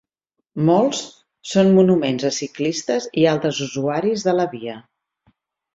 Molts són monuments a ciclistes i altres usuaris de la via.